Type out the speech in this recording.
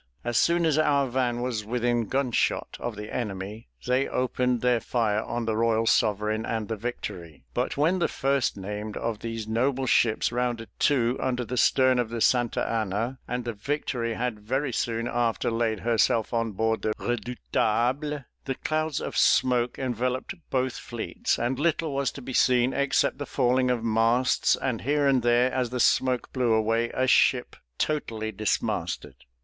As soon as our van was within gun shot of the enemy, they opened their fire on the Royal Sovereign and the Victory; but when the first named of these noble ships rounded to, under the stern of the Santa Anna, and the Victory had very soon after laid herself on board the Redoubtable, the clouds of smoke enveloped both fleets, and little was to be seen except the falling of masts, and here and there, as the smoke blew away, a ship totally dismasted.